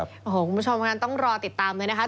ผู้ชมก็ต้องรอติดตามเลยนะฮะ